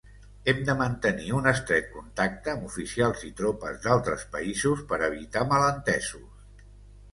Hem de mantenir un estret contacte amb oficials i tropes d’altres països per evitar malentesos.